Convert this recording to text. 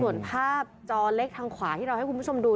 ส่วนภาพจอเล็กทางขวาที่เราให้คุณผู้ชมดู